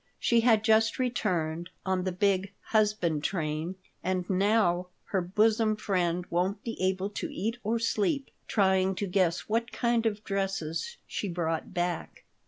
She had just returned, on the big "husband train," and now "her bosom friend won't be able to eat or sleep, trying to guess what kind of dresses she brought back."